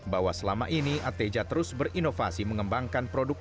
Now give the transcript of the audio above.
bahwa selama ini ateja terus berinovasi mengembangkan produk